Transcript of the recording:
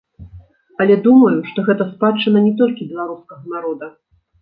Але думаю, што гэта спадчына не толькі беларускага народа.